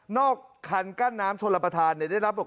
นอกคันกั้นน้ำโชงลมภาษาได้รับบกฎศพ